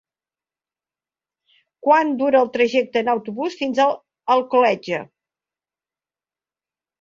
Quant dura el trajecte en autobús fins a Alcoletge?